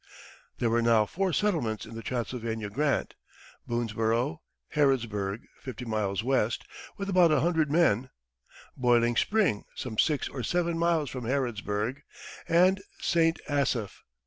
] There were now four settlements in the Transylvania grant: Boonesborough; Harrodsburg, fifty miles west, with about a hundred men; Boiling Spring, some six or seven miles from Harrodsburg; and St. Asaph.